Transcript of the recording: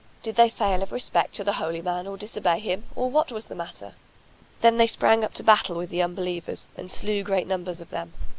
Did they fail of respect to the holy man or disobey him, or what was the matter?" Then they sprang up to battle with the Unbelievers and slew great numbers of them.